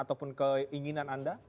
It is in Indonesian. ataupun keinginan anda